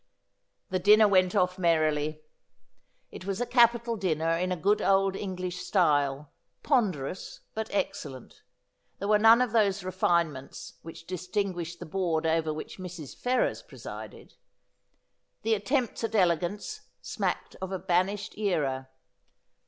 The dinner went off merrily. It was a capital dinner in a good old English style, ponderous but excellent. There were none of those refinements which distinguished the board over which Mrs. Ferrers presided. The attempts at elegance smacked of a banished era.